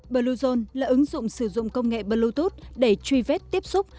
bluezone là ứng dụng sử dụng công nghệ bluetooth để truy vết tiếp xúc